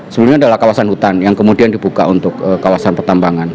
sebelumnya adalah kawasan hutan yang kemudian dibuka untuk kawasan pertambangan